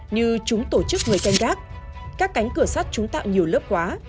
như chúng tổ chức người canh gác các cánh cửa sắt chúng tạo nhiều lớp quá